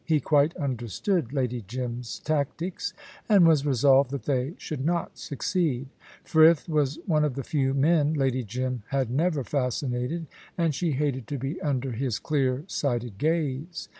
He quite understood Lady Jim's tactics, and was resolved that they should not succeed. Frith was one of the few men Lady Jim had never fascinated, and she hated to be under his clear sighted gaze.